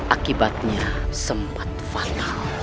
akibatnya sempat fatal